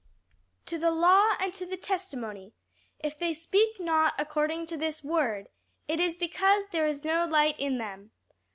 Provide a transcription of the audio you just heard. "To the law and to the testimony: if they speak not according to this word, it is because there is no light in them."